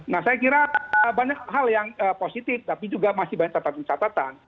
nah saya kira banyak hal yang positif tapi juga masih banyak catatan catatan